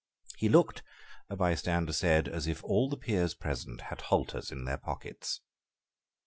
He looked, a bystander said, as if all the peers present had halters in their pockets.